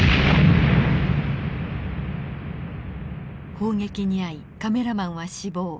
砲撃に遭いカメラマンは死亡。